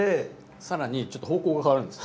更にちょっと方向が変わるんです。